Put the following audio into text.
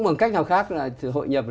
không có cách nào khác là hội nhập